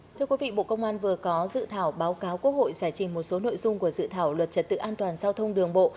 thưa quý vị bộ công an vừa có dự thảo báo cáo quốc hội giải trình một số nội dung của dự thảo luật trật tự an toàn giao thông đường bộ